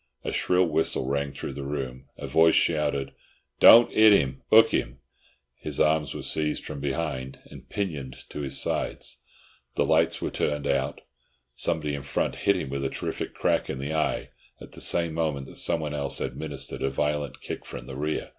A shrill whistle rang through the room; a voice shouted, "Don't 'it 'im; 'ook 'im!" His arms were seized from behind and pinioned to his sides. The lights were turned out. Somebody in front hit him a terrific crack in the eye at the same moment that someone else administered a violent kick from the rear.